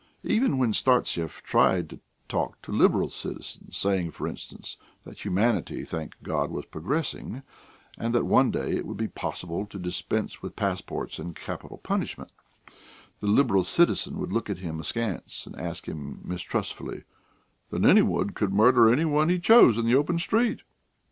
Even when Startsev tried to talk to liberal citizens, saying, for instance, that humanity, thank God, was progressing, and that one day it would be possible to dispense with passports and capital punishment, the liberal citizen would look at him askance and ask him mistrustfully: "Then any one could murder any one he chose in the open street?"